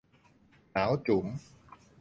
หนาวจู๋ม